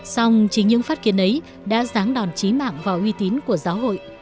xong chính những phát kiến ấy đã ráng đòn trí mạng vào uy tín của giáo hội